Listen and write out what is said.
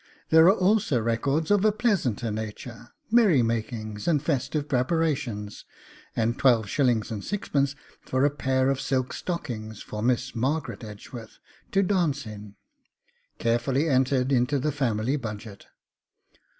There are also records of a pleasanter nature; merrymakings, and festive preparations, and 12s. 6d. for a pair of silk stockings for Miss Margaret Edgeworth to dance in, carefully entered into the family budget.